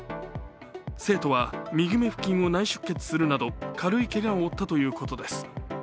生徒は右目付近を内出血するなど軽いけがを負ったということです。